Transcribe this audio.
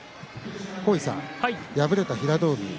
敗れた平戸海です。